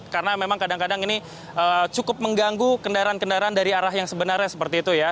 karena memang kadang kadang ini cukup mengganggu kendaraan kendaraan dari arah yang sebenarnya seperti itu ya